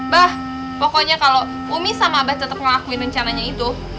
bah pokoknya kalau umi sama abah tetap ngelakuin rencananya itu